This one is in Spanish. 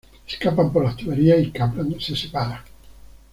Escapan por las tuberías y Kaplan se separa.